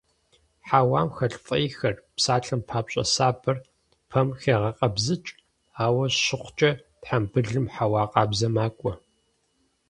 Хьэуам хэлъ фӀейхэр, псалъэм папщӀэ сабэр, пэм хегъэкъэбзыкӀ, ауэ щыхъукӀэ, тхьэмбылым хьэуа къабзэ макӀуэ.